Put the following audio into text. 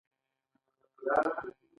لومړۍ برخه د تجربې په مرسته ده.